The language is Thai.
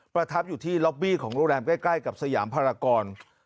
ประทับอยู่ที่ล็อบบี้ของโรงแรมใกล้กับสยามภารกร